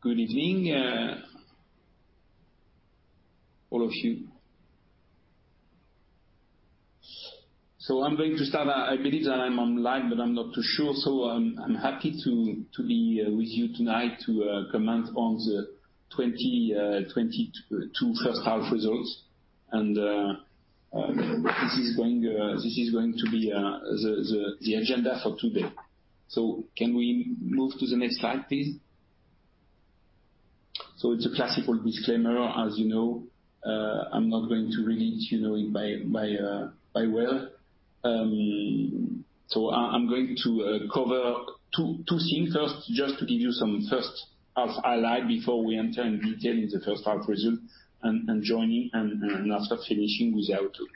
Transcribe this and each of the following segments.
Good evening, all of you. I'm going to start. I believe that I'm on live, but I'm not too sure. I'm happy to be with you tonight to comment on the 2022 first half results. This is going to be the agenda for today. Can we move to the next slide, please? It's a classic disclaimer, as you know. I'm not going to read it. You know it well. I'm going to cover two things. First, just to give you some first half highlight before we enter in detail in the first half result and after finishing with Outlook.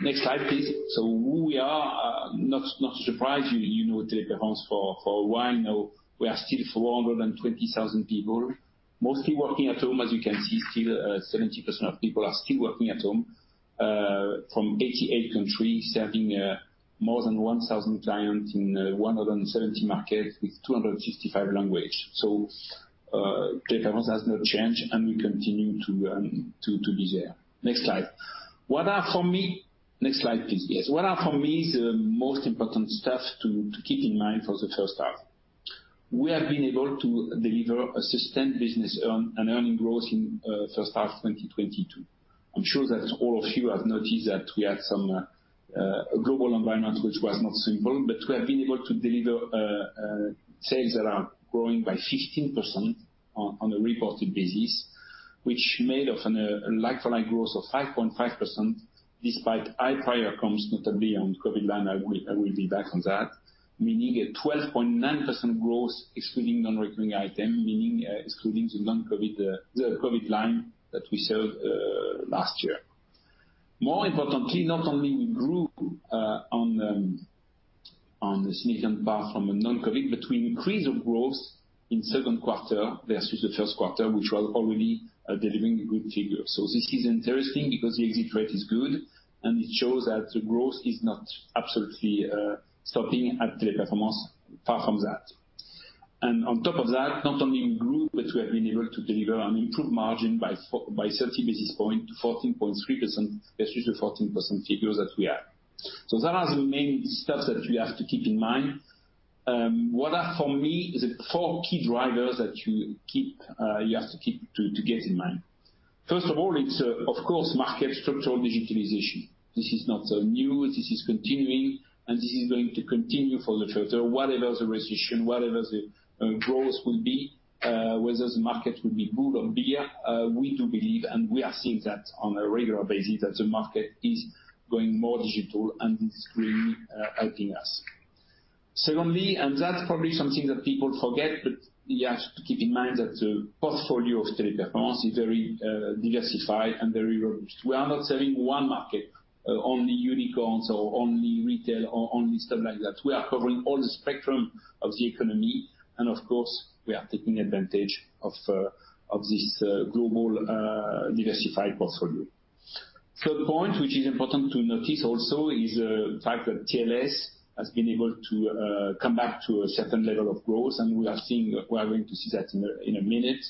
Next slide, please. Who we are, not to surprise you know, Teleperformance for a while now. We are still 420,000 people, mostly working at home. As you can see, 70% of people are still working at home from 88 countries, serving more than 1,000 clients in 170 markets with 265 languages. Teleperformance has not changed, and we continue to be there. Next slide. What for me the most important stuff to keep in mind for the first half? We have been able to deliver a sustained business earnings growth in first half 2022. I'm sure that all of you have noticed that we had some global environment which was not simple, but we have been able to deliver sales that are growing by 15% on a reported basis, which made for a like-for-like growth of 5.5% despite high prior comps, notably on COVID line. I will be back on that. Meaning a 12.9% growth excluding non-recurring item, meaning excluding the non-COVID, the COVID line that we sold last year. More importantly, not only we grew on a significant part from non-COVID, but we increased the growth in second quarter versus the first quarter, which was already delivering good figures. This is interesting because the exit rate is good, and it shows that the growth is not absolutely stopping at Teleperformance. Far from that. On top of that, not only we grew, but we have been able to deliver an improved margin by 30 basis points to 14.3% versus the 14% figures that we had. Those are the main steps that you have to keep in mind. What are for me the four key drivers that you have to keep in mind? First of all, it's of course, market structural digitalization. This is not so new. This is continuing, and this is going to continue for the future. Whatever the recession, whatever the growth will be, whether the market will be good or bad, we do believe, and we are seeing that on a regular basis, that the market is going more digital, and it's really helping us. Secondly, and that's probably something that people forget, but you have to keep in mind that the portfolio of Teleperformance is very diversified and very robust. We are not selling one market, only unicorns or only retail or only stuff like that. We are covering all the spectrum of the economy, and of course, we are taking advantage of this global diversified portfolio. Third point, which is important to notice also, is the fact that TLS has been able to come back to a certain level of growth, and we are going to see that in a minute.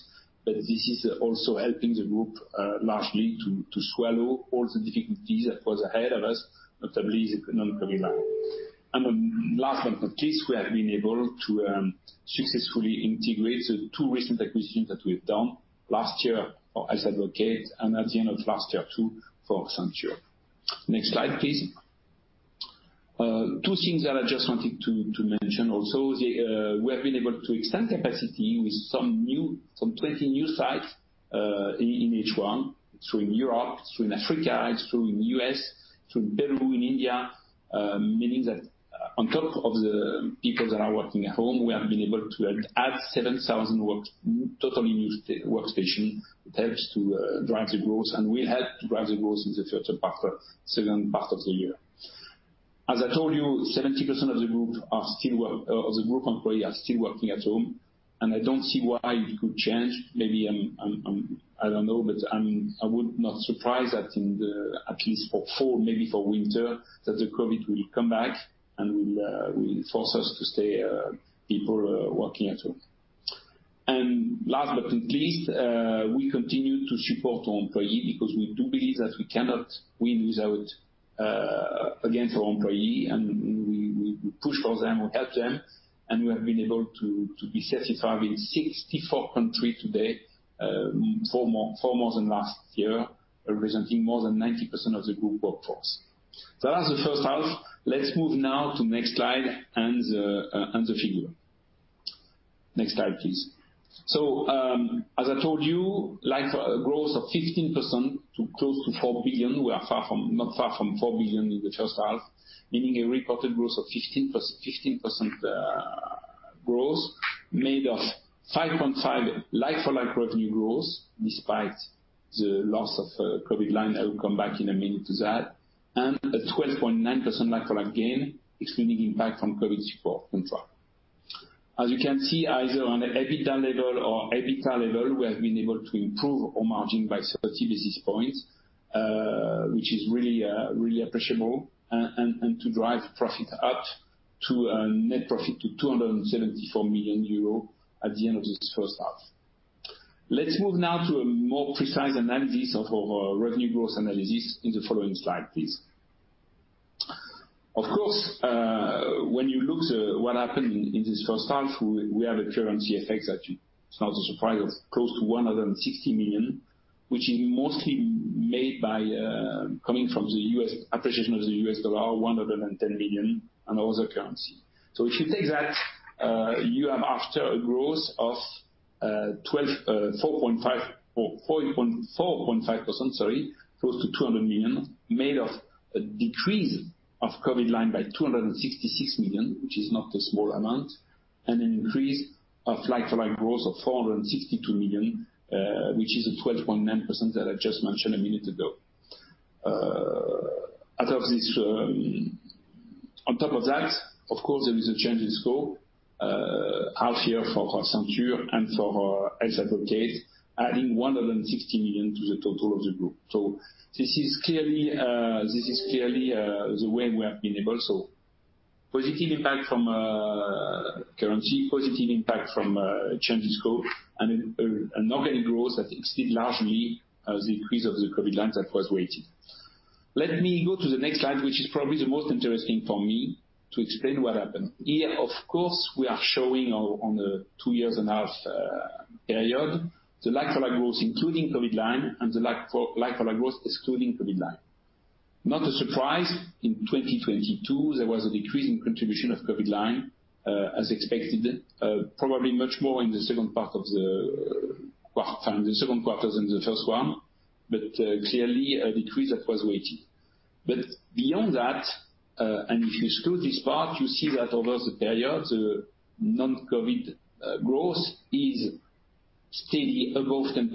This is also helping the group largely to swallow all the difficulties that was ahead of us, notably the non-COVID line. Last but not least, we have been able to successfully integrate the two recent acquisitions that we've done. Last year for Health Advocate and at the end of last year too, for Senture. Next slide, please. Two things that I just wanted to mention also. We have been able to extend capacity with some 20 new sites in H1 in Europe, in Africa, in U.S., in Peru, in India. Meaning that on top of the people that are working at home, we have been able to add 7,000 totally new workstations. It helps to drive the growth, and will help to drive the growth in the second half of the year. As I told you, 70% of the group employees are still working at home, and I don't see why it could change. Maybe I don't know, but I would not be surprised that at least for fall, maybe for winter, that the COVID will come back and will force us to keep people working at home. Last but not least, we continue to support our employees because we do believe that we cannot win without our employees. We push for them, we help them, and we have been able to be certified in 64 countries today, four more than last year, representing more than 90% of the group workforce. That is the first half. Let's move now to next slide and the figure. Next slide, please. As I told you, like-for-like growth of 15% to close to 4 billion. We are not far from 4 billion in the first half, meaning a reported growth of 15%, growth made of 5.5% like-for-like revenue growth despite the loss of COVID line. I will come back in a minute to that. A 12.9% like-for-like gain, excluding impact from COVID support contract. As you can see, either on the EBITDA level or EBITDA level, we have been able to improve our margin by 30 basis points, which is really really appreciable, and to drive profit up to a net profit of 274 million euro at the end of this first half. Let's move now to a more precise analysis of our revenue growth analysis in the following slide, please. Of course, when you look to what happened in this first half, we have a currency effect that it's not a surprise of close to 160 million, which is mostly made by coming from the US appreciation of the US dollar, 110 million, and other currency. If you take that, you have after a growth of 4.5% sorry, close to 200 million, made of a decrease of COVID line by 266 million, which is not a small amount, and an increase of like-for-like growth of 462 million, which is a 12.9% that I just mentioned a minute ago. Out of this, on top of that, of course, there is a change in scope, half year for our Senture and for our Health Advocate, adding 160 million to the total of the group. This is clearly the way we have been able. Positive impact from currency, positive impact from change in scope and an organic growth that exceed largely the increase of the COVID lines that was waiting. Let me go to the next slide, which is probably the most interesting for me to explain what happened. Here, of course, we are showing on a two years and half period, the like-for-like growth including COVID line and the like-for-like growth excluding COVID line. Not a surprise, in 2022, there was a decrease in contribution of COVID line, as expected, probably much more in the second quarter than the first one, but clearly a decrease that was waiting. Beyond that, and if you exclude this part, you see that over the period, the non-COVID growth is steady above 10%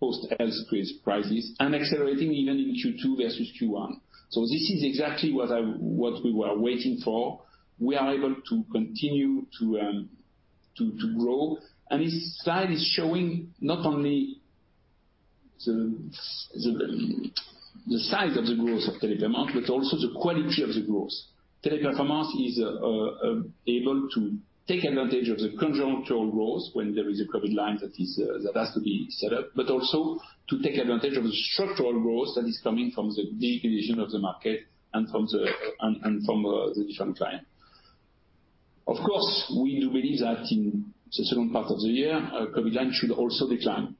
post health crisis prices and accelerating even in Q2 versus Q1. This is exactly what we were waiting for. We are able to continue to grow. This slide is showing not only the size of the growth of Teleperformance, but also the quality of the growth. Teleperformance is able to take advantage of the conjunctural growth when there is a COVID line that has to be set up, but also to take advantage of the structural growth that is coming from the deep division of the market and from the different client. Of course, we do believe that in the second part of the year, COVID line should also decline.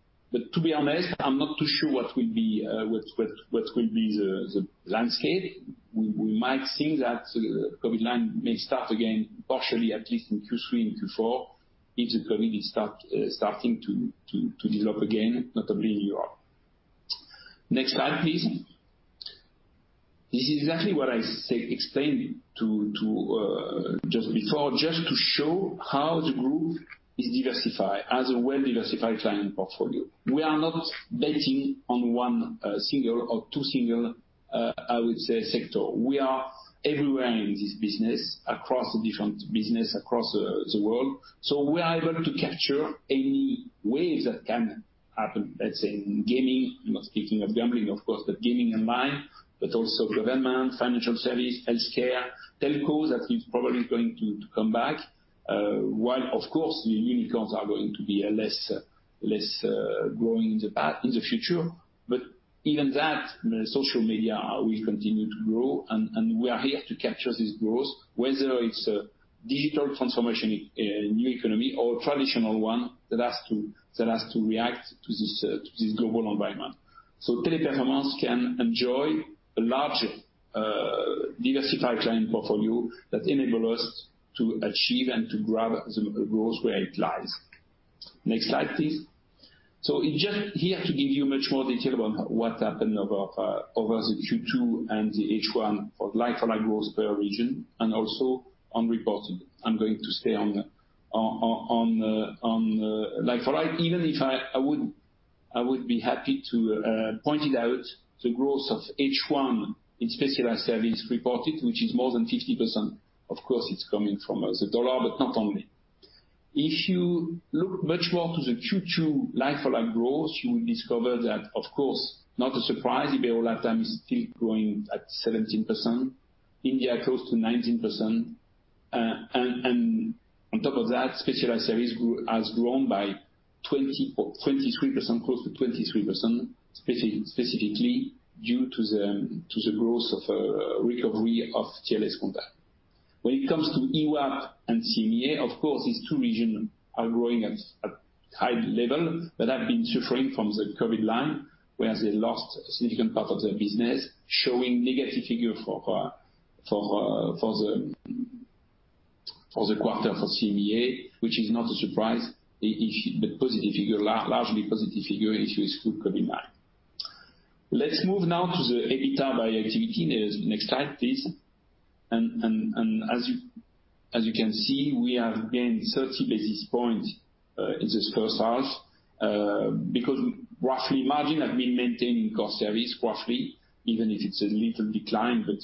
To be honest, I'm not too sure what will be the landscape. We might think that COVID line may start again, partially at least in Q3 and Q4 if the COVID is starting to develop again, notably in Europe. Next slide, please. This is exactly what I explained just before, just to show how the group is diversified, has a well-diversified client portfolio. We are not betting on one single or two single, I would say, sector. We are everywhere in this business, across the different business, across the world. We are able to capture any wave that can happen. Let's say in Gaming, I'm not speaking of gambling, of course, but gaming in mind, but also Government, Financial Service, Healthcare, Telco, that is probably going to come back. While of course, the unicorns are going to be less growing in the future. Even that, you know, social media will continue to grow and we are here to capture this growth, whether it's a digital transformation in new economy or a traditional one that has to react to this to this global environment. Teleperformance can enjoy a large, diversified client portfolio that enable us to achieve and to grab the growth where it lies. Next slide, please. I'm just here to give you much more detail about what happened over the Q2 and the H1 for like-for-like growth per region and also on reported. I'm going to stay on like-for-like. Even if I would be happy to point out the growth of H1 in specialized service reported, which is more than 50%. Of course, it's coming from the dollar, but not only. If you look much more to the Q2 like-for-like growth, you will discover that of course, not a surprise, IberoLatam is still growing at 17%, India close to 19%. And on top of that, specialized service has grown by 20% or 23%, close to 23%, specifically due to the recovery of TLScontact. When it comes to EWAP and EMEA, of course, these two region are growing at high level, but have been suffering from the COVID line, where they lost significant part of their business, showing negative figure for the quarter for EMEA, which is not a surprise if the positive figure, largely positive figure if you exclude COVID line. Let's move now to the EBITDA by activity. Next slide, please. As you can see, we have gained 30 basis points in this first half. Because roughly margin have been maintained in core service roughly, even if it's a little decline, but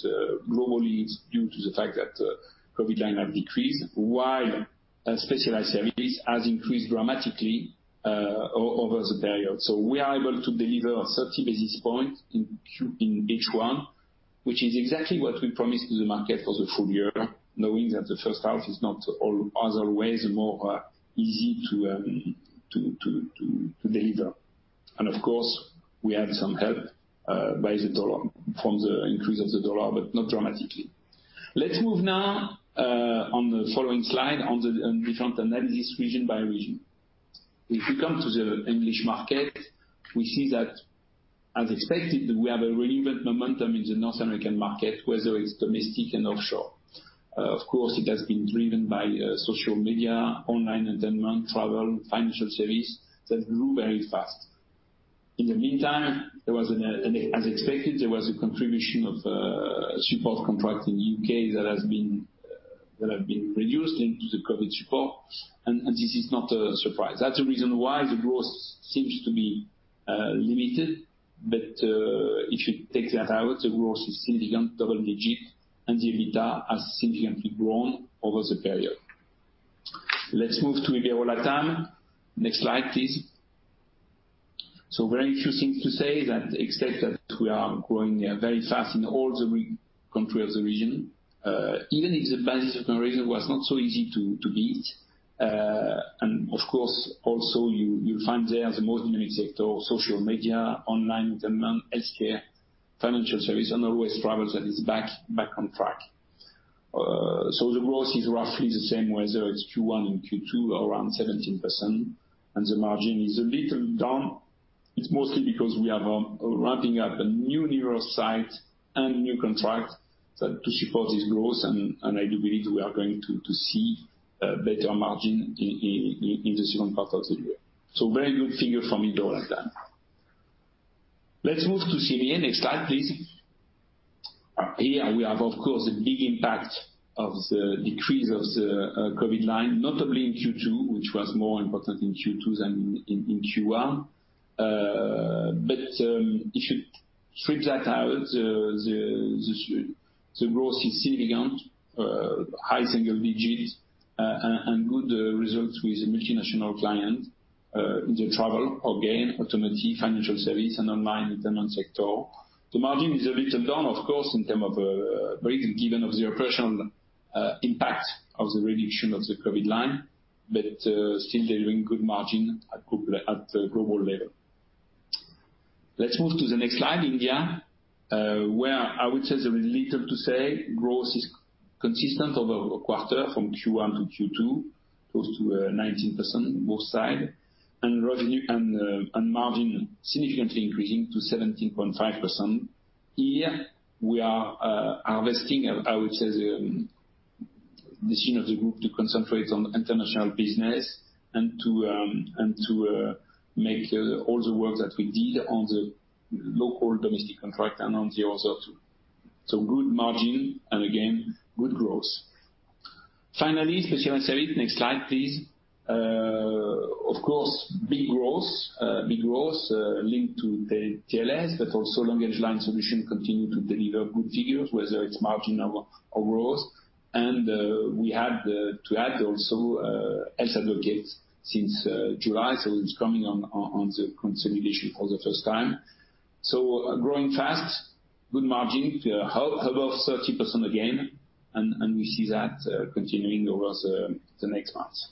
globally it's due to the fact that COVID line have decreased while specialized services has increased dramatically over the period. We are able to deliver 30 basis points in H1 which is exactly what we promised to the market for the full year, knowing that the first half is not always as easy to deliver. Of course, we had some help from the increase of the US dollar, but not dramatically. Let's move now on the following slide. We can analyze region by region. If you come to the English market, we see that as expected, we have a relevant momentum in the North American market, whether it's domestic and offshore. Of course, it has been driven by social media, online entertainment, travel, financial services that grew very fast. In the meantime, as expected, there was a contribution of support contract in UK that has been reduced into the COVID support. This is not a surprise. That's the reason why the growth seems to be limited. If you take that out, the growth is significant, double digits, and the EBITDA has significantly grown over the period. Let's move to IberoLatam. Next slide, please. Very few things to say except that we are growing very fast in all the every country of the region, even if the basis of comparison was not so easy to beat. Of course, also you'll find there the most dynamic sector of Social Media, Online Entertainment, Healthcare, Financial Service, and always Travel that is back on track. The growth is roughly the same, whether it's Q1 and Q2, around 17%, and the margin is a little down. It's mostly because we are ramping up a new real site and new contract to support this growth, and I do believe we are going to see a better margin in the second part of the year. Very good figure for me, IberoLatam. Let's move to CEMEA. Next slide, please. Here we have, of course, a big impact of the decrease of the COVID line, notably in Q2, which was more important in Q2 than in Q1. But if you strip that out, the growth is significant, high single digits, and good results with multinational client in the Travel, again, Automotive, Financial Service and Online Entertainment sector. The margin is a little down, of course, in terms of breakeven of the operational impact of the reduction of the COVID line, but still delivering good margin at the global level. Let's move to the next slide, India, where I would say there is little to say. Growth is consistent quarter-over-quarter from Q1 to Q2, close to 19% both sides. Revenue and margin significantly increasing to 17.5%. Here we are harvesting, I would say the machine of the group to concentrate on international business and to make all the work that we did on the local domestic contract and on the other two. Good margin and again, good growth. Finally, specialized service. Next slide, please. Of course, big growth linked to the TLS, but also LanguageLine Solutions continue to deliver good figures, whether it's margin or growth. We had to add also Health Advocate since July, so it's coming on the consolidation for the first time. Growing fast, good margin above 30% again. We see that continuing over the next months.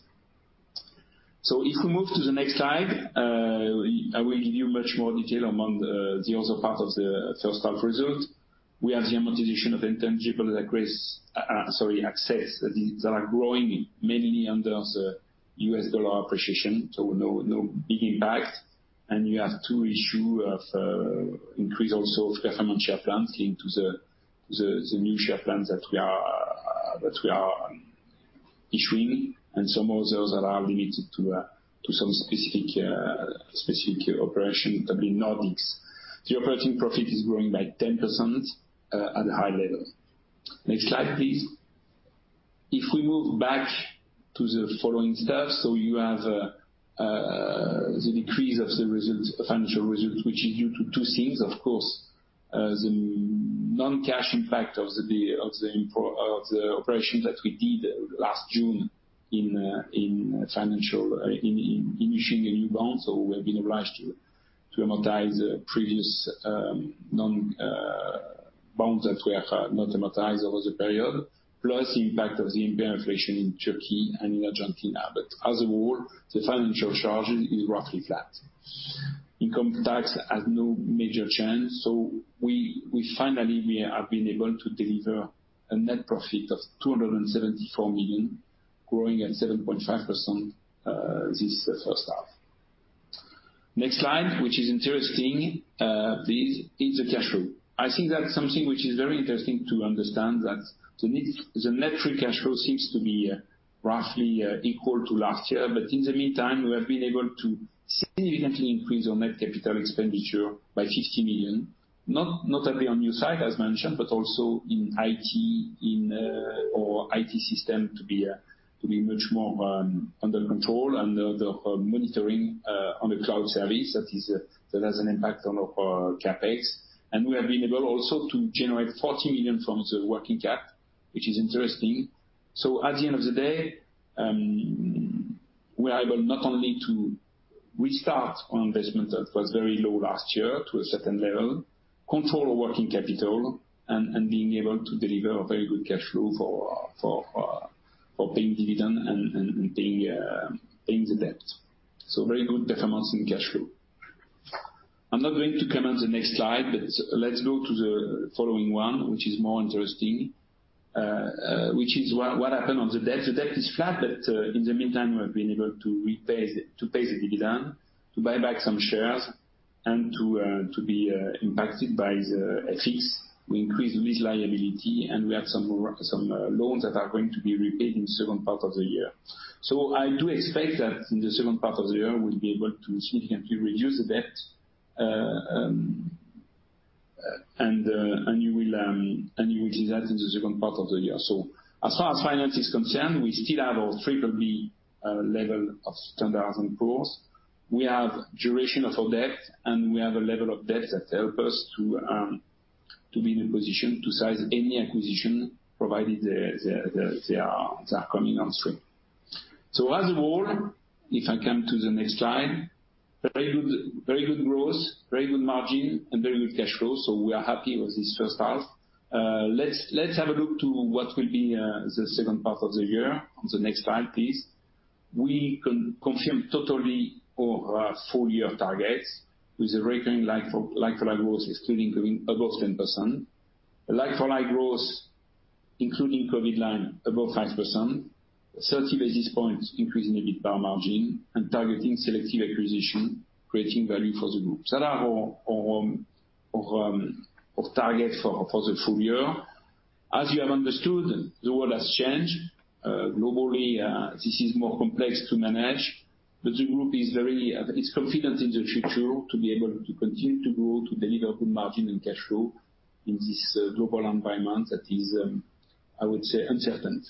If we move to the next slide, I will give you much more detail on the other part of the first half result. We have the amortization of intangible assets that are growing mainly under the US dollar appreciation, so no big impact. You have two issues of increase also of performance share plans linked to the new share plans that we are issuing and some others that are limited to some specific operation, notably Nordics. The operating profit is growing by 10% at high level. Next slide, please. If we move back to the following stuff, you have the decrease of the results, financial results, which is due to two things. Of course, the non-cash impact of the operation that we did last June in issuing a new bond. We have been obliged to amortize previous non-amortized bonds that were not amortized over the period, plus the impact of the inflation in Turkey and in Argentina. As a whole, the financial charges is roughly flat. Income tax has no major change. We finally have been able to deliver a net profit of 274 million, growing at 7.5%, this first half. Next slide, which is interesting, please, is the cash flow. I think that's something which is very interesting to understand that the net free cash flow seems to be roughly equal to last year. In the meantime, we have been able to significantly increase our net capital expenditure by 60 million, not only on new site as mentioned, but also in IT, in our IT system to be much more under control and the monitoring on the cloud service that has an impact on our CapEx. We have been able also to generate 40 million from the working cap, which is interesting. At the end of the day, we are able not only to restart our investment that was very low last year to a certain level, control our working capital and being able to deliver a very good cash flow for paying dividend and paying the debt. Very good performance in cash flow. I'm not going to comment the next slide, but let's go to the following one, which is more interesting, which is what happened on the debt. The debt is flat, but in the meantime, we have been able to pay the dividend, to buy back some shares and to be impacted by the FX. We increased lease liability, and we have some more, some loans that are going to be repaid in second part of the year. I do expect that in the second part of the year, we'll be able to significantly reduce the debt, and you will see that in the second part of the year. As far as finance is concerned, we still have our BBB rating from Standard & Poor's. We have duration of our debt, and we have a level of debt that help us to be in a position to size any acquisition provided they are coming on stream. As a whole, if I come to the next slide, very good growth, very good margin and very good cash flow. We are happy with this first half. Let's have a look at what will be the second part of the year on the next slide, please. We confirm totally our full year targets with the recurring like-for-like growth excluding COVID line, growing above 10%. Like-for-like growth including COVID line above 5%, 30 basis points increase in EBITDA margin and targeting selective acquisition, creating value for the group. Those are our targets for the full year. As you have understood, the world has changed. Globally, this is more complex to manage, but the group is very confident in the future to be able to continue to grow, to deliver good margin and cash flow in this global environment that is, I would say, uncertain.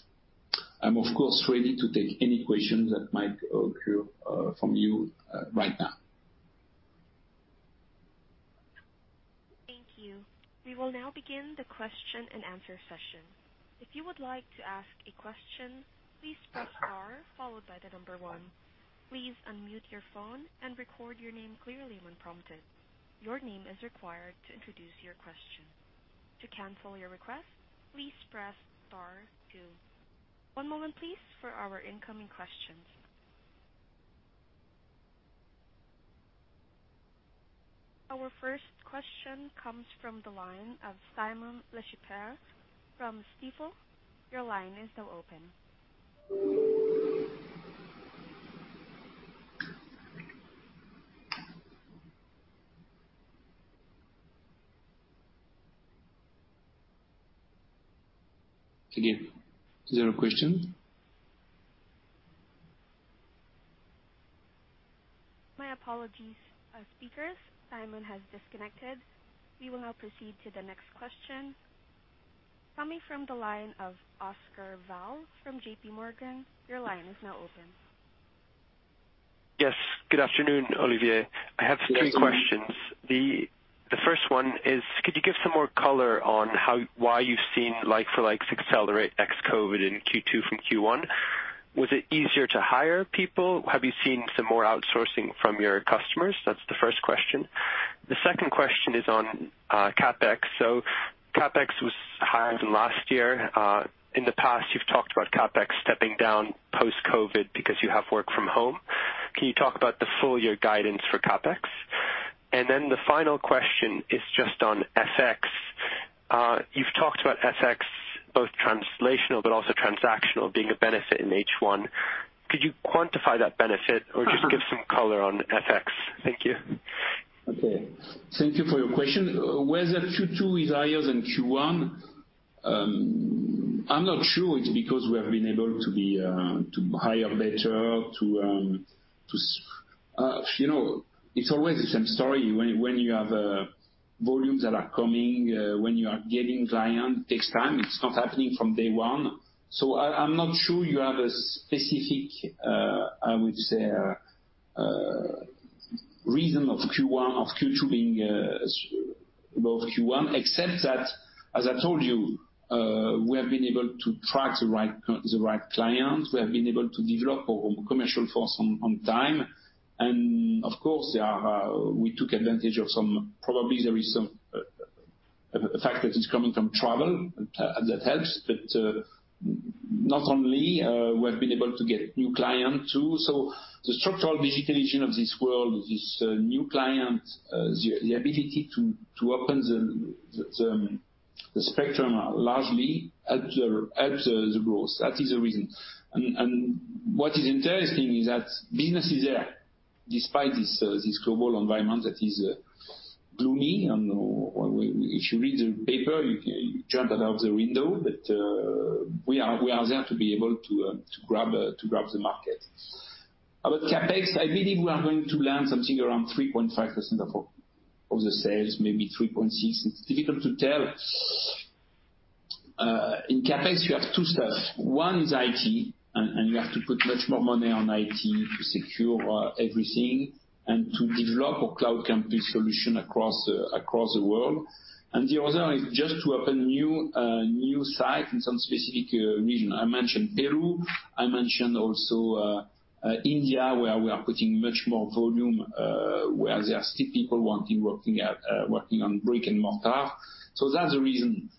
I'm of course ready to take any questions that might occur from you right now. Thank you. We will now begin the question and answer session. If you would like to ask a question, please press star followed by one. Please unmute your phone and record your name clearly when prompted. Your name is required to introduce your question. To cancel your request, please press star two. One moment, please, for our incoming questions. Our first question comes from the line of Simon Lechipre from Stifel. Your line is now open. Again, is there a question? My apologies, speakers. Simon has disconnected. We will now proceed to the next question coming from the line of Oscar Val from JPMorgan. Your line is now open. Yes. Good afternoon, Olivier. Yes. I have three questions. The first one is could you give some more color on why you've seen like-for-like accelerate ex-COVID in Q2 from Q1? Was it easier to hire people? Have you seen some more outsourcing from your customers? That's the first question. The second question is on CapEx. So CapEx was higher than last year. In the past, you've talked about CapEx stepping down post-COVID because you have work from home. Can you talk about the full year guidance for CapEx? Then the final question is just on FX. You've talked about FX, both translational but also transactional being a benefit in H1. Could you quantify that benefit? Mm-hmm. Just give some color on FX? Thank you. Okay. Thank you for your question. Whether Q2 is higher than Q1, I'm not sure it's because we have been able to hire better, you know, it's always the same story. When you have volumes that are coming, when you are getting client, it takes time. It's not happening from day one. I'm not sure you have a specific, I would say, reason of Q2 being above Q1, except that, as I told you, we have been able to attract the right clients. We have been able to develop our own commercial force on time. Of course, there are. We took advantage of some. Probably there is some a factor that's coming from travel that helps, but not only, we have been able to get new client too. The structural digitization of this world, this new client, the ability to open the spectrum largely helps the growth. That is the reason. What is interesting is that business is there. Despite this global environment that is gloomy and if you read the paper, you can jump out of the window. We are there to be able to grab the market. Our CapEx, I believe we are going to land something around 3.5% of the sales, maybe 3.6%. It's difficult to tell. In CapEx, you have two stuff. One is IT, and you have to put much more money on IT to secure everything and to develop a Cloud Campus solution across the world. The other is just to open new site in some specific region. I mentioned Peru. I mentioned also India, where we are putting much more volume, where there are still people wanting working on brick and mortar. That's the reason.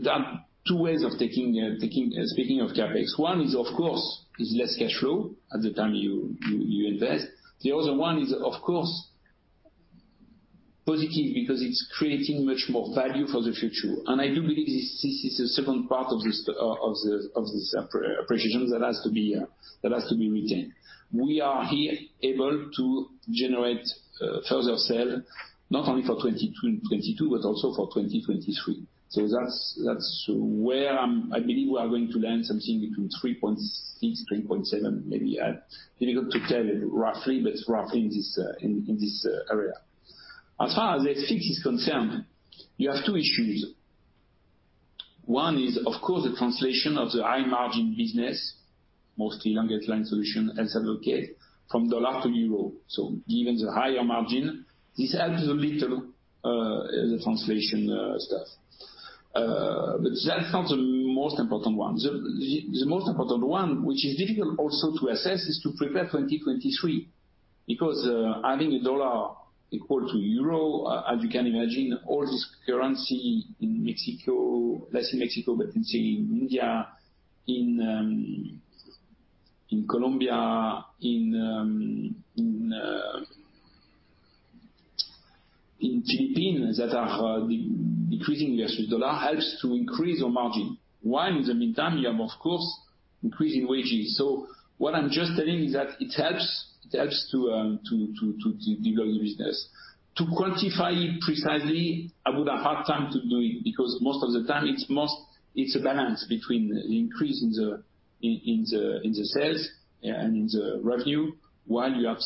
There are two ways of speaking of CapEx. One is, of course, less cash flow at the time you invest. The other one is of course positive because it's creating much more value for the future. I do believe this is the second part of this appreciation that has to be retained. We are here able to generate further sales not only for 2022, but also for 2023. That's where I believe we are going to land something between 3.6%-3.7%, maybe. Difficult to tell roughly, but roughly in this area. As far as FX is concerned, you have two issues. One is of course the translation of the high margin business, mostly LanguageLine Solutions and subsidiary from the US dollar to the euro. Given the higher margin, this helps a little, the translation stuff. But that's not the most important one. The most important one, which is difficult also to assess, is to prepare 2023 because having a dollar equal to euro, as you can imagine, all this currency in Mexico, less in Mexico, but in, say, India, in Colombia, in Philippines that are decreasing versus dollar helps to increase your margin. While in the meantime, you have of course increasing wages. What I'm just telling is that it helps to develop the business. To quantify it precisely, I would have hard time to do it because most of the time it's a balance between increase in the sales and in the revenue. While you have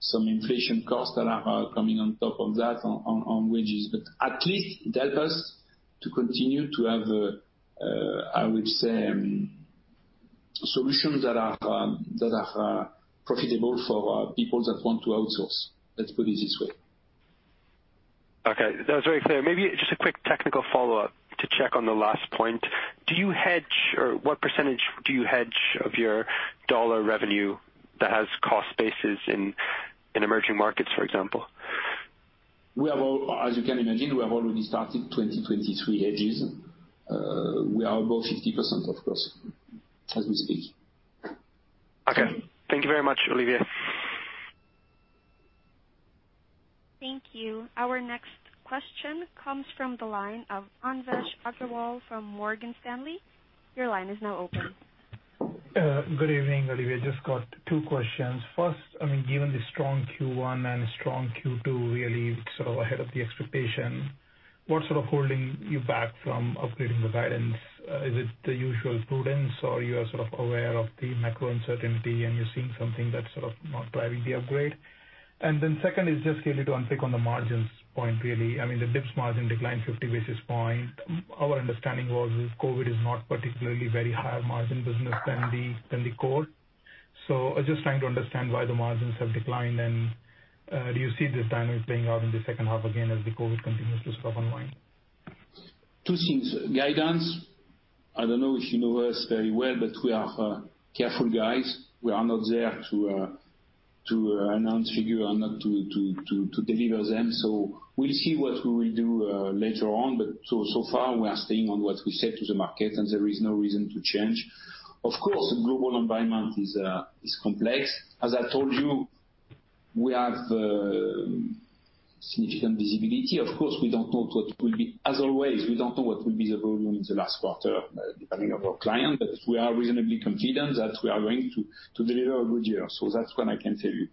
some inflation costs that are coming on top of that on wages. at least it help us to continue to have, I would say, solutions that are profitable for people that want to outsource. Let's put it this way. Okay, that was very clear. Maybe just a quick technical follow-up to check on the last point. Do you hedge or what percentage do you hedge of your dollar revenue that has cost bases in emerging markets, for example? As you can imagine, we have already started 2023 hedges. We are above 50%, of course, as we speak. Okay. Thank you very much, Olivier. Thank you. Our next question comes from the line of Anvesh Agrawal from Morgan Stanley. Your line is now open. Good evening, Olivier. Just got two questions. First, I mean, given the strong Q1 and strong Q2 really sort of ahead of the expectation, what's sort of holding you back from upgrading the guidance? Is it the usual prudence or you are sort of aware of the macro uncertainty and you're seeing something that's sort of not driving the upgrade? Then second is just for you to unpick on the margins point really. I mean, the DIBS margin declined 50 basis points. Our understanding is COVID is not particularly very higher margin business than the core. So just trying to understand why the margins have declined and do you see this dynamic playing out in the second half again as the COVID continues to wind down? Two things. Guidance, I don't know if you know us very well, but we are careful guys. We are not there to announce figures or not to deliver them. We'll see what we will do later on. So far we are staying on what we said to the market and there is no reason to change. Of course, the global environment is complex. As I told you, we have significant visibility. Of course, we don't know what will be. As always, we don't know what will be the volume in the last quarter, depending on our client. We are reasonably confident that we are going to deliver a good year. That's what I can tell you.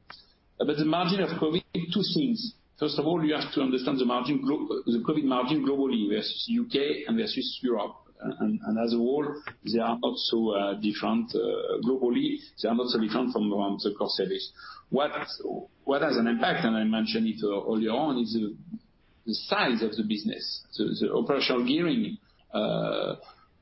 The margin of COVID, two things. First of all, you have to understand the margin glo... The COVID margin globally versus UK and versus Europe. As a whole, they are also different globally, they are also different from the core service. What has an impact, and I mentioned it earlier on, is the size of the business, so the operational gearing.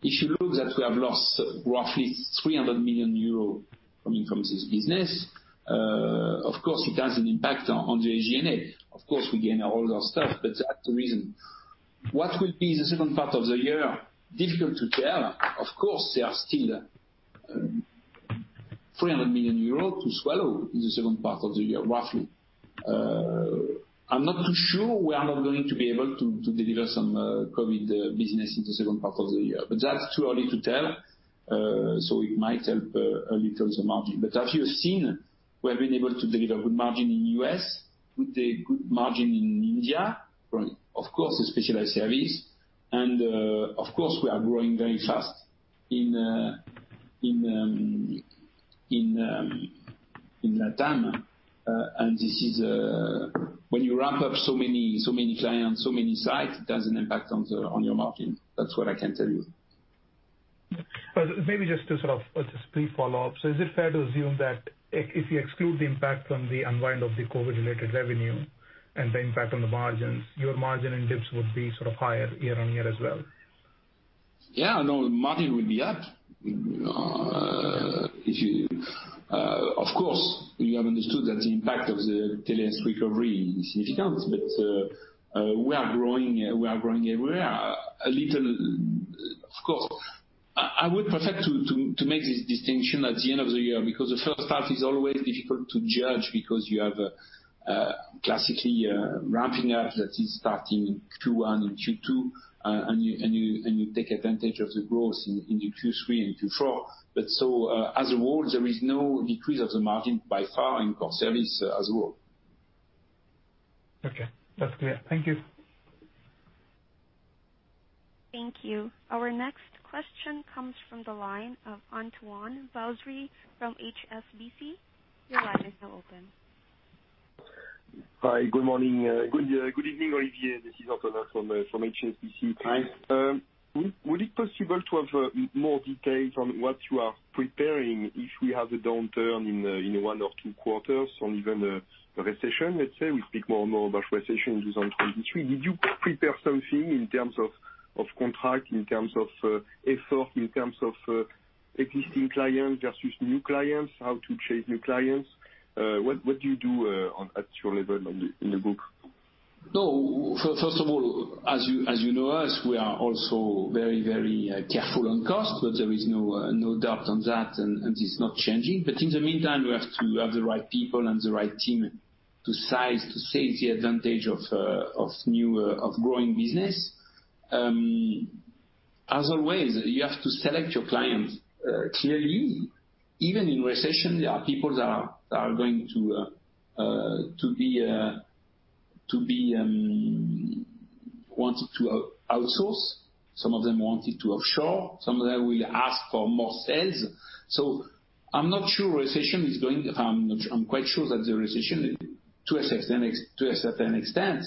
If you look at that we have lost roughly 300 million euros from this business, of course it has an impact on the margin. Of course we gain all those stuff, but that's the reason. What will be the second part of the year? Difficult to tell. Of course, there are still 300 million euros to swallow in the second part of the year, roughly. I'm not too sure we are not going to be able to deliver some COVID business in the second part of the year. That's too early to tell. It might help a little the margin. As you have seen, we have been able to deliver good margin in U.S., with the good margin in India, right? Of course, the specialized service and, of course, we are growing very fast in LATAM. And this is when you ramp up so many clients, so many sites, it has an impact on your margin. That's what I can tell you. Maybe just to sort of brief follow-up. Is it fair to assume that if you exclude the impact from the unwind of the COVID related revenue and the impact on the margins, your margin in DIBS would be sort of higher year-on-year as well? Yeah, no, margin will be up. If you, of course, have understood that the impact of the TLS's recovery is significant. We are growing everywhere. A little, of course. I would prefer to make this distinction at the end of the yea r, because the first half is always difficult to judge because you have classically ramping up that is starting in Q1 and Q2, and you take advantage of the growth in the Q3 and Q4. As a whole, there is no decrease of the margin by far in core service as a whole. Okay. That's clear. Thank you. Thank you. Our next question comes from the line of Antonin Baudry from HSBC. Your line is now open. Hi. Good morning. Good evening, Olivier. This is Antonin from HSBC. Hi. Would it be possible to have more details on what you are preparing if we have a downturn in one or two quarters or even a recession, let's say? We speak more and more about recession in 2023. Did you prepare something in terms of contract, in terms of effort, in terms of existing clients versus new clients, how to chase new clients? What do you do at your level in the group? No. First of all, as you know us, we are also very careful on cost. There is no doubt on that, and it's not changing. In the meantime, we have to have the right people and the right team to seize the advantage of new growing business. As always, you have to select your clients. Clearly, even in recession, there are people that are going to be wanting to outsource. Some of them wanting to offshore. Some of them will ask for more sales. I'm not sure recession is going. I'm quite sure that the recession, to a certain extent,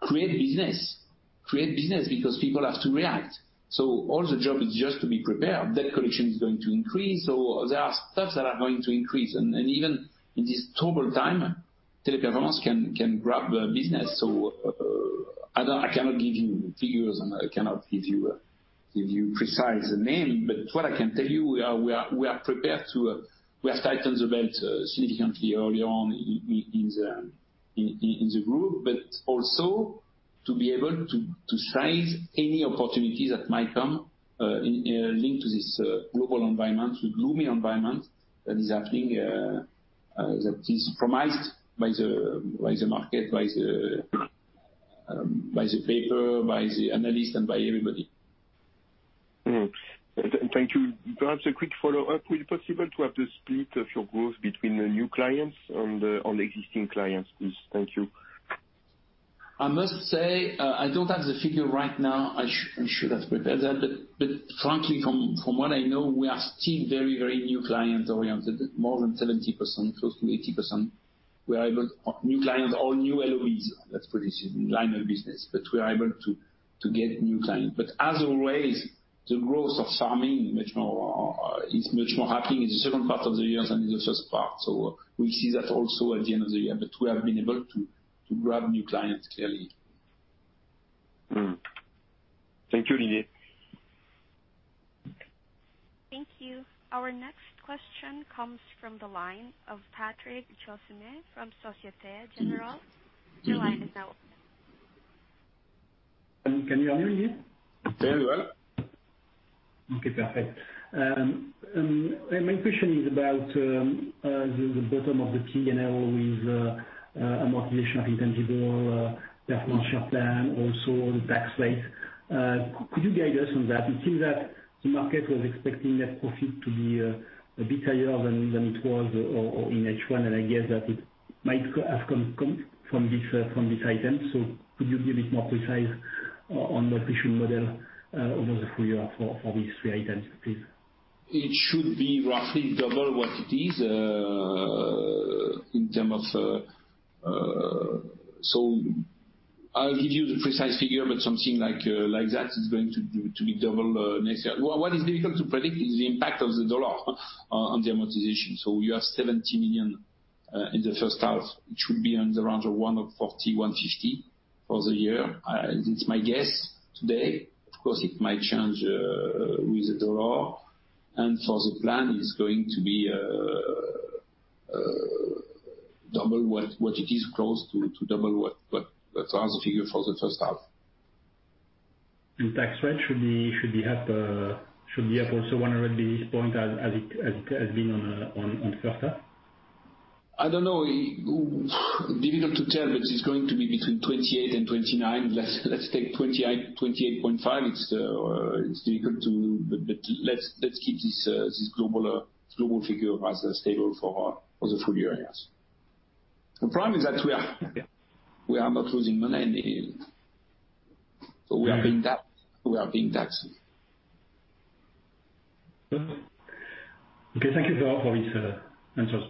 create business. Create business because people have to react. All the job is just to be prepared. Debt collection is going to increase, or there are stuffs that are going to increase. Even in this troubled time, Teleperformance can grab business. I cannot give you figures, and I cannot give you precise name. What I can tell you, we are prepared to. We have tightened the belt significantly early on in the group. Also to be able to seize any opportunities that might come linked to this global en vironment, the gloomy environment that is happening, that is painted by the market, by the press, by the analyst, and by everybody. Thank you. Perhaps a quick follow-up. Will it possible to have the split of your growth between the new clients and existing clients, please? Thank you. I must say, I don't have the figure right now. I should have prepared that. Frankly, from what I know, we are still very new client-oriented. More than 70%, close to 80%. We are able new clients or new LOBs, let's put it this way, line of business. We are able to get new clients. As always, the growth of farming much more is much more happening in the second part of the years than in the first part. We see that also at the end of the year. We have been able to grab new clients, clearly. Thank you, Olivier. Thank you. Our next question comes from the line of Patrick Jousseaume from Société Générale. Your line is now open. Can you hear me, Olivier? Very well. Okay, perfect. My question is about the bottom of the P&L with amortization of intangible performance share plan, also the tax rate. Could you guide us on that? It seems that the market was expecting net profit to be a bit higher than it was or in H1, and I guess that it might have come from this item. Could you be a bit more precise on what we should model over the full year for these three items, please? It should be roughly double what it is in terms of. I'll give you the precise figure, but something like that is going to be double next year. What is difficult to predict is the impact of the US dollar on the amortization. You have 70 million in the first half. It should be in the range of 140 million-150 million for the year. It's my guess today. Of course, it might change with the US dollar. For the plan, it's going to be double what it is, close to double what was the figure for the first half. Tax rate should be up also 100 basis points as it has been on first half? I don't know. Difficult to tell, but it's going to be between 28% and 29%. Let's take 28%, 28.5%. Let's keep this global figure as stable for the full year, yes. The problem is that we are- Yeah. We are not losing money. We are being taxed. Okay, thank you for all these, answers.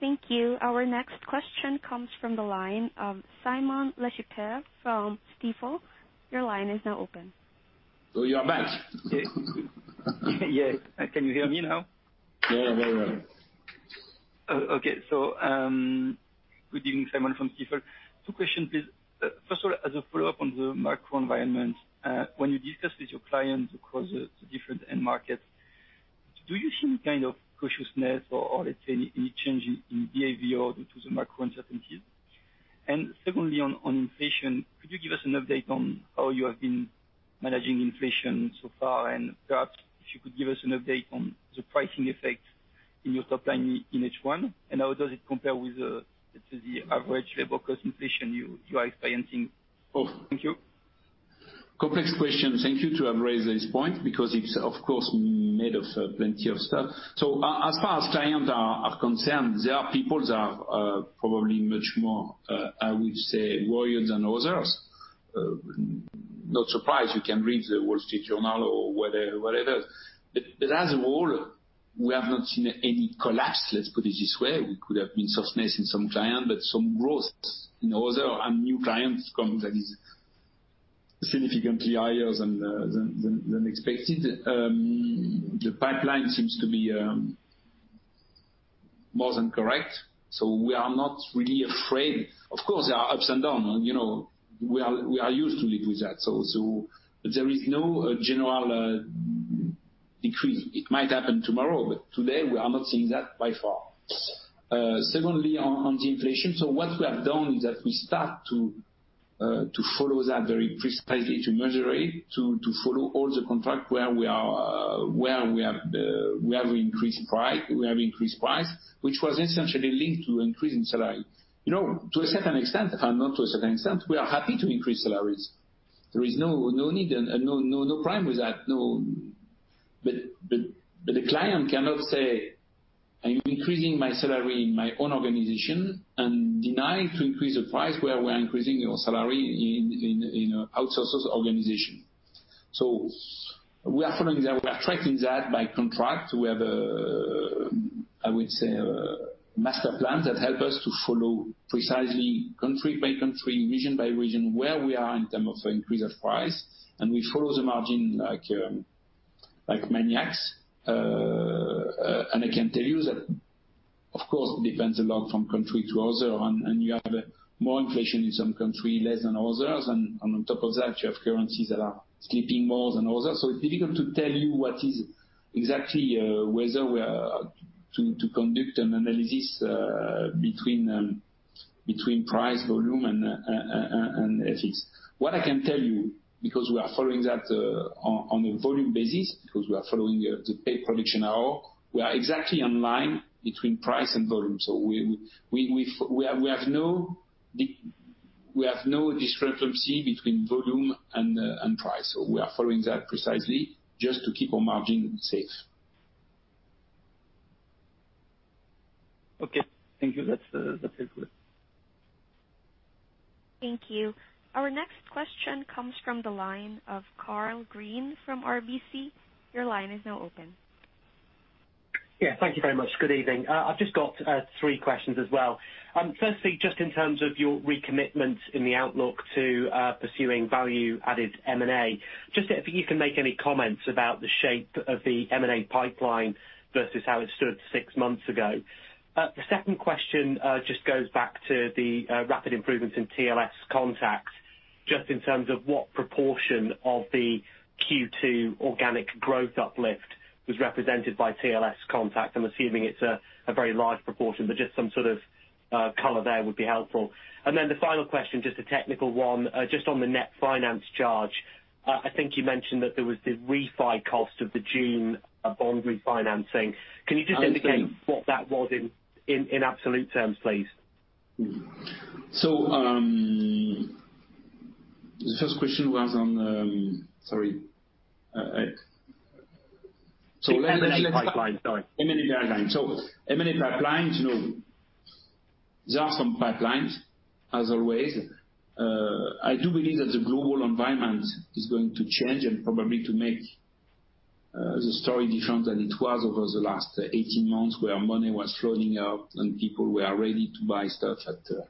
Thank you. Our next question comes from the line of Simon Lechipre from Stifel. Your line is now open. Oh, you are back. Yeah. Can you hear me now? Yeah, very well. Okay. Good evening. Simon from Stifel. Two questions, please. First of all, as a follow-up on the macro environment, when you discuss with your clients across the different end markets, do you see any kind of cautiousness or let's say any change in behavior due to the macro uncertainties? Secondly, on inflation, could you give us an update on how you have been managing inflation so far? Perhaps if you could give us an update on the pricing effect in your top line in H1, and how does it compare to the average labor cost inflation you are experiencing? Thank you. Complex question. Thank you to have raised this point because it's of course made of plenty of stuff. As far as clients are concerned, there are people who are probably much more, I would say, worried than others. Not surprised. You can read the Wall Street Journal or whatever. As a whole, we have not seen any collapse, let's put it this way. We could have seen softness in some clients, but some growth in others, and new clients coming that is significantly higher than expected. The pipeline seems to be more than correct, so we are not really afraid. Of course, there are ups and downs, and you know, we are used to live with that. There is no general decrease. It might happen tomorrow, but today we are not seeing that by far. Secondly, on the inflation. What we have done is that we start to follow that very precisely, to measure it, to follow all the contract where we have increased price, which was essentially linked to increase in salary. You know, to a certain extent, and not to a certain extent, we are happy to increase salaries. There is no need and no problem with that. No. The client cannot say, "I'm increasing my salary in my own organization," and denying to increase the price where we are increasing your salary in an outsourced organization. We are following that. We are tracking that by contract. We have, I would say, a master plan that help us to follow precisely country by country, region by region, where we are in terms of increase of price, and we follow the margin like maniacs. I can tell you that of course it depends a lot from country to other. You have more inflation in some country, less than others. On top of that, you have currencies that are slipping more than others. It's difficult to tell you what is exactly whether we are to conduct an analysis between price, volume and FX. What I can tell you, because we are following that on a volume basis, because we are following the paid production hour, we are exactly in line between price and volume. We have no discrepancy between volume and price. We are following that precisely just to keep our margin safe. Okay, thank you. That's, that helps with. Thank you. Our next question comes from the line of Karl Green from RBC. Your line is now open. Yeah. Thank you very much. Good evening. I've just got three questions as well. Firstly, just in terms of your recommitment in the outlook to pursuing value-added M&A, just if you can make any comments about the shape of the M&A pipeline versus how it stood six months ago. The second question just goes back to the rapid improvements in TLScontact, just in terms of what proportion of the Q2 organic growth uplift was represented by TLScontact. I'm assuming it's a very large proportion, but just some sort of color there would be helpful. Then the final question, just a technical one, just on the net finance charge. I think you mentioned that there was the refi cost of the June bond refinancing. Can you just indicate- I understand. What that was in absolute terms, please? The first question was on M&A. M&A pipeline. Sorry. M&A pipeline. M&A pipeline, you know, there are some pipelines as always. I do believe that the global environment is going to change and probably to make the story different than it was over the last 18 months, where money was floating up and people were ready to buy stuff at 20x the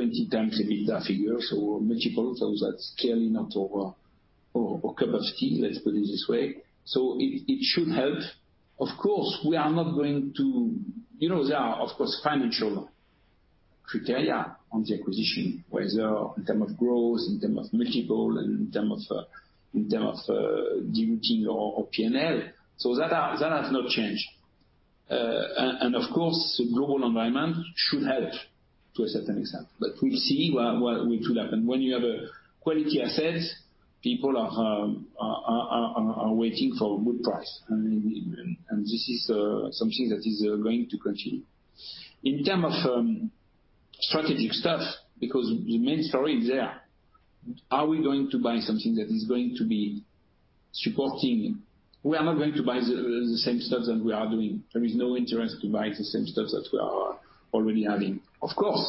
EBITDA figure. Multiples of that scaling up to our capacity, let's put it this way. It should help. Of course, we are not going to. You know, there are of course financial criteria on the acquisition, whether in terms of growth, in terms of multiple, in terms of diluting our P&L. That has not changed. Of course, the global environment should help to a certain extent. We'll see what will happen. When you have a quality assets, people are waiting for good price. This is something that is going to continue. In terms of strategic stuff, because the main story is there. Are we going to buy something that is going to be supporting? We are not going to buy the same stuff that we are doing. There is no interest to buy the same stuff that we are already having. Of course,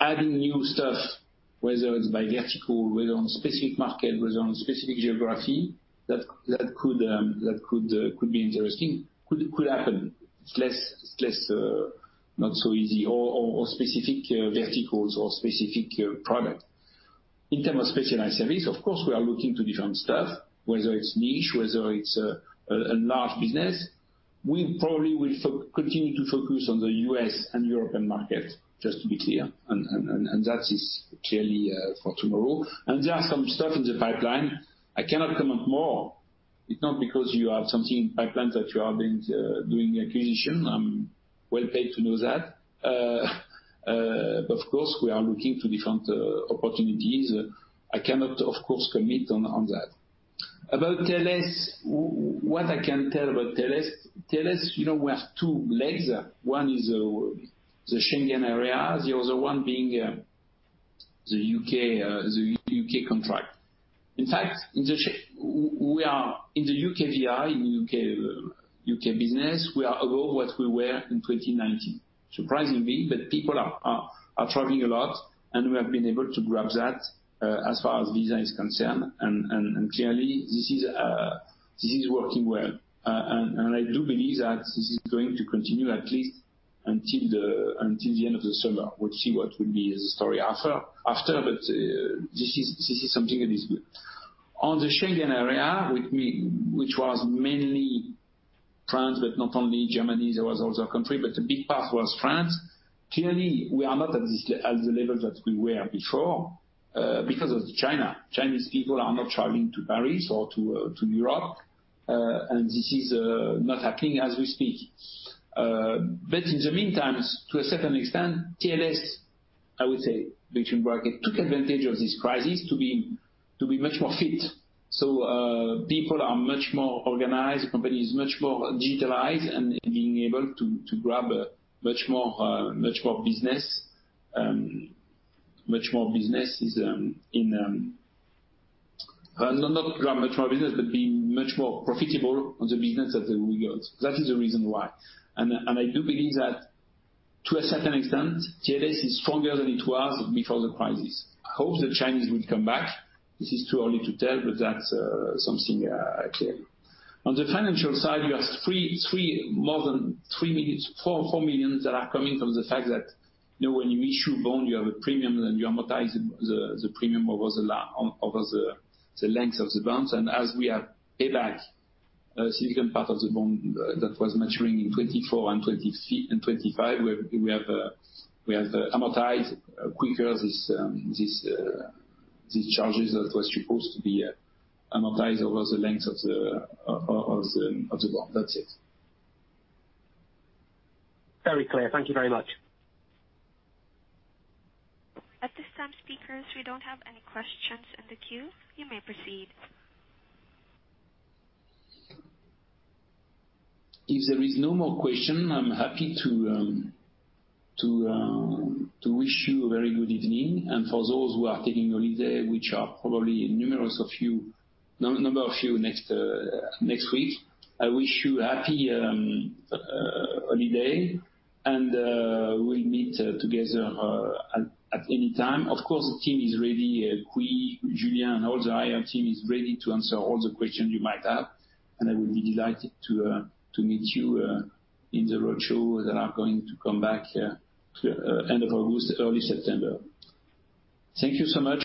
adding new stuff, whether it's by vertical, whether on specific market, whether on specific geography, that could be interesting. Could happen. It's less not so easy or specific verticals or specific product. In terms of specialized service, of course, we are looking to different stuff, whether it's niche, whether it's a large business. We probably will continue to focus on the US and European market, just to be clear. That is clearly for tomorrow. There are some stuff in the pipeline. I cannot comment more. It's not because you have something in pipeline that you have been doing acquisition. I'm well paid to know that. But of course, we are looking to different opportunities. I cannot, of course, commit on that. About TLScontact, what I can tell about TLScontact. TLScontact, you know, we have two legs. One is the Schengen area, the other one being the UK, the UK contract. In fact, we are in the UKVI, in UK business, we are above what we were in 2019. Surprisingly, people are traveling a lot, and we have been able to grab that, as far as visa is concerned. Clearly this is working well. I do believe that this is going to continue at least until the end of the summer. We'll see what will be the story after. This is something that is good. On the Schengen area, which was mainly France, but not only Germany, there was also country, but the big part was France. Clearly, we are not at the level that we were before, because of China. Chinese people are not traveling to Paris or to Europe. This is not happening as we speak. In the meantime, to a certain extent, TLS, I would say, in brackets, took advantage of this crisis to be much more fit. People are much more organized, company is much more digitalized and being able to grab much more business. No, not grab much more business, but being much more profitable on the business that we got. That is the reason why. I do believe that to a certain extent, TLS is stronger than it was before the crisis. I hope the Chinese would come back. This is too early to tell, but that's something clear. On the financial side, you have 3 million-4 million that are coming from the fact that, you know, when you issue bond, you have a premium and you amortize the premium over the length of the bonds. As we have paid back a significant part of the bond that was maturing in 2024 and 2025, we have amortized quicker these charges that was supposed to be amortized over the length of the bond. That's it. Very clear. Thank you very much. At this time, speakers, we don't have any questions in the queue. You may proceed. If there is no more question, I'm happy to wish you a very good evening. For those who are taking holiday, which are probably numerous of you, number of you next week, I wish you happy holiday and we'll meet together at any time. Of course, the team is ready. Quy, Julien, and all the IR team is ready to answer all the questions you might have. I will be delighted to meet you in the roadshow that are going to come back to end of August, early September. Thank you so much.